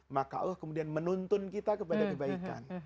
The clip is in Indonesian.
maka allah kemudian menuntun kita kepada kebaikan